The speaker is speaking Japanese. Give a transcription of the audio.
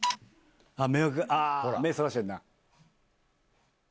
あっ目そらしてんな。